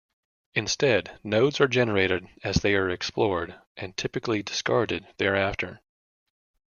Instead, nodes are generated as they are explored, and typically discarded thereafter.